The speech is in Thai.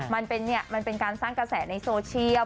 มันเป็นเนี่ยมันเป็นการสร้างกระแสในโซเชียล